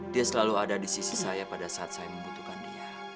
dia selalu ada di sisi saya pada saat saya membutuhkan dia